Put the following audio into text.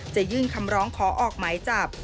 ยื่นคำร้องขอออกหมายจับ